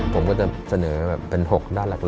ผมก็จะเสนอแบบเป็น๖ด้านหลัก